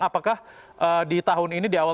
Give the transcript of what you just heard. apakah di tahun ini di awal